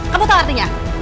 kamu tau artinya